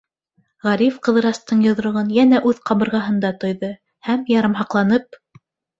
Ғариф Ҡыҙырастың йоҙроғон йәнә үҙ ҡабырғаһында тойҙо һәм, ярамһаҡланып: